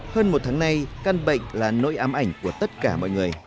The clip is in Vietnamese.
hơn một tháng nay căn bệnh là nỗi ám ảnh của tất cả mọi người